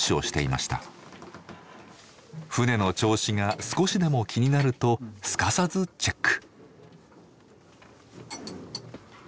船の調子が少しでも気になるとすかさずチェック。